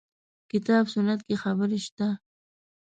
کتاب سنت کې خبرې شته.